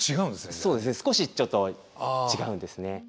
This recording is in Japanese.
そうですね少しちょっと違うんですね。